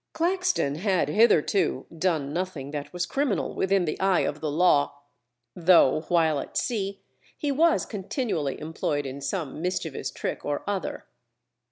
Claxton had hitherto done nothing that was criminal within the eye of the Law, though while at sea he was continually employed in some mischievous trick or other.